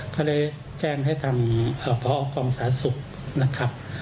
ก็เลยแจ้งให้ทำเอ่อพระออกองศาสุขนะครับ